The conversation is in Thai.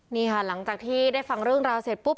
นี่ค่ะหลังจากที่ได้ฟังเรื่องราวเสร็จปุ๊บ